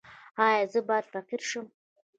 ایا زه باید فقیر شم؟